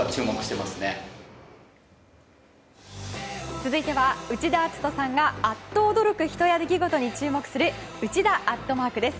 続いては内田篤人さんがアッと驚く人や出来事に注目する、「内田＠」です。